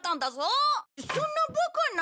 そんなバカな。